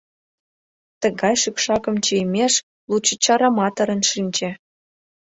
— Тыгай шӱкшакым чийымеш, лучо чараматырын шинче.